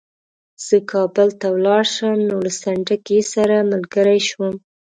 زه کابل ته ولاړ شم نو له سنډکي سره ملګری شوم.